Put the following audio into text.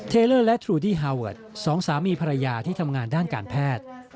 เลอร์และทรูดี้ฮาเวิร์ดสองสามีภรรยาที่ทำงานด้านการแพทย์